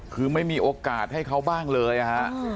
คือไม่มีโอกาสให้เขาบ้างเลยนะฮะ